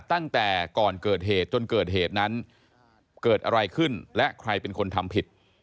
ตั้งแต่ก่อนเกิดเหตุจนเกิดเหตุนั้นเกิดอะไรขึ้นและใครเป็นคนทำผิด